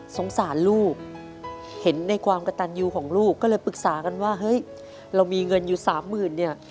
สงสารลูกเห็นในความกระตันยูของลูกก็เลยปรึกษากันว่าเฮ้ยเรามีเงินอยู่สามหมื่นเนี่ย